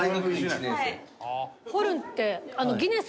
ホルンって。